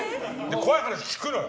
怖い話聞くのよ。